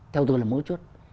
theo tôi là mối chốt